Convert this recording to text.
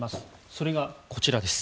それがこちらです。